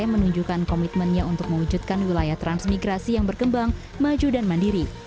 menunjukkan komitmennya untuk mewujudkan wilayah transmigrasi yang berkembang maju dan mandiri